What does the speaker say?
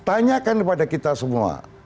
tanyakan kepada kita semua